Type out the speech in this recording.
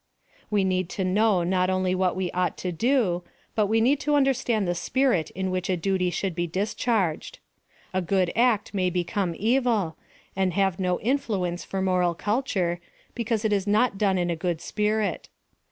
We need to know not only what we ought to do, but we need to understand the spirit in which a duty should be discharged. A good act may be come evil, and have no influence for moral culture, because it is not done in a good spirit.